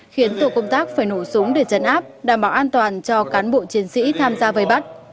khiến tổ công tác phải nổ súng để chấn áp đảm bảo an toàn cho cán bộ chiến sĩ tham gia vây bắt